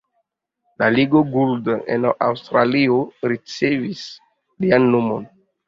La Ligo Gould en Aŭstralio ricevis lian nomon.